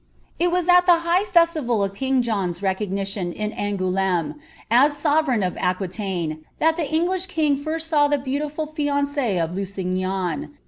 It was at the high fesiiral of king John's recognition in AngoaUmc. aa sovereign of Aquilaine, that the Ejighah king tirst «aw the bcauiilvl ftanc^e of Luaignan.